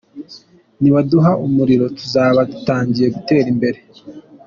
Nibaduha umuriro tuzaba dutangiye gutera imbere.